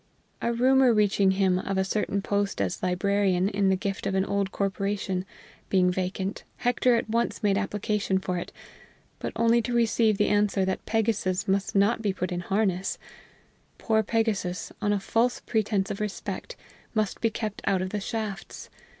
A rumor reaching him of a certain post as librarian, in the gift of an old corporation, being vacant, Hector at once made application for it, but only to receive the answer that Pegasus must not be put in harness: poor Pegasus, on a false pretense of respect, must be kept out of the shafts!